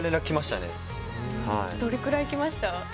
どれぐらい来ました？